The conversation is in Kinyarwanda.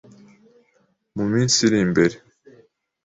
mu minsi iri imbere,